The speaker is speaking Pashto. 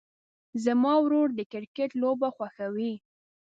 زما ورور د کرکټ لوبه خوښوي.